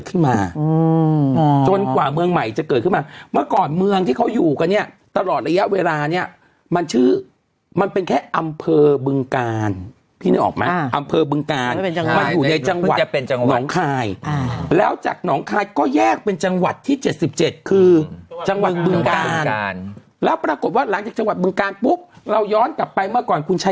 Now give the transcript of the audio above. ขึ้นมาจนกว่าเมืองใหม่จะเกิดขึ้นมาเมื่อก่อนเมืองที่เขาอยู่กันเนี่ยตลอดระยะเวลาเนี้ยมันชื่อมันเป็นแค่อำเภอบึงกาลพี่นึกออกไหมอำเภอบึงกาลมันอยู่ในจังหวัดหนองคายแล้วจากหนองคายก็แยกเป็นจังหวัดที่เจ็ดสิบเจ็ดคือจังหวัดบึงกาลแล้วปรากฏว่าหลังจากจังหวัดบึงการปุ๊บเราย้อนกลับไปเมื่อก่อนคุณใช้